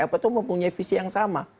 apa itu mempunyai visi yang sama